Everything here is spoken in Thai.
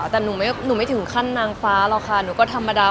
แต่หนูหมายถึงขั้นนางฟ้าหรอกค่ะ